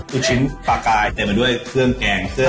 ลูกชิ้นปลากายเต็มไปด้วยเครื่องแกงเสื้อ